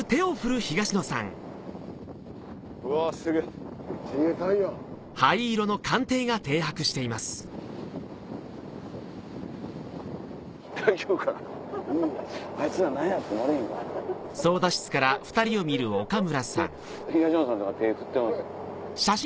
東野さんとか手振ってます。